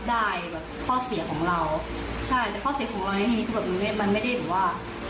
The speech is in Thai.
แต่ข้อเสียของเราในทีนี้มันไม่ได้ดูว่า